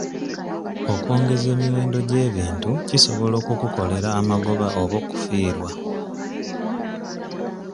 Okwongeza emiwendo gy'ebintu kisobola okukukolera amagoba oba okufiirwa.